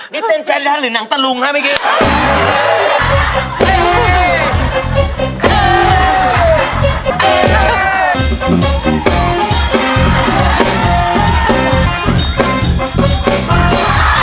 นี่เต้นเจนหรือนางตะลุงฮะเมื่อกี้